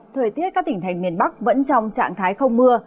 thời tiết các tỉnh thành miền bắc vẫn trong trạng thái không mưa